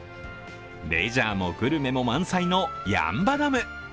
レジャーもグルメも満載の八ッ場ダム。